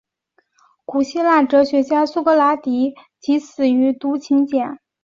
古希腊哲学家苏格拉底即死于毒芹碱。